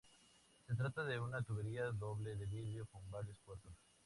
Se trata de una tubería doble de vidrio, con varios puertos.